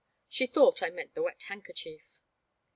She thought I meant the wet handkerchief.